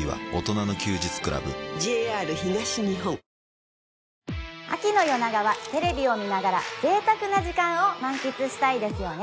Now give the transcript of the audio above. ペイトク秋の夜長はテレビを見ながら贅沢な時間を満喫したいですよね